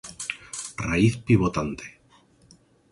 Raíz pivotante.